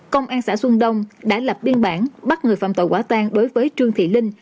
công an xã xuân đông đã lập biên bản bắt người phạm tội quả tan đối với trương thị linh